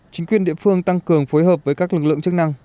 chính quyền địa phương tăng cường phối hợp với các lực lượng chức năng